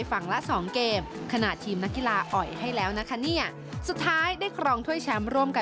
ทั้งนักกีฬาภาระเพศทีมชาติไทยรวมถึงสื่อมวลชนค่ะ